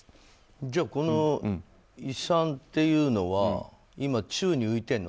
じゃあ、この遺産っていうのは今、宙に浮いてんの？